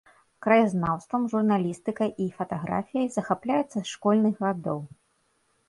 Краязнаўствам, журналістыкай і фатаграфіяй захапляецца з школьных гадоў.